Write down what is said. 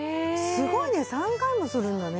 すごいね３回もするんだね。